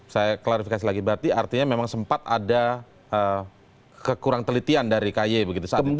saya klarifikasi lagi berarti artinya memang sempat ada kekurang telitian dari ky begitu saat ini